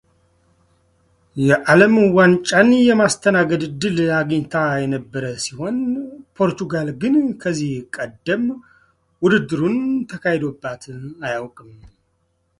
የዓለም ዋንጫን የማስተናገድ ዕድል አግኝታ የነበረ ሲሆን ፖርቱጋል ግን ከዚህ ቀደም ውድድሩ ተካሂዶባት አያውቅም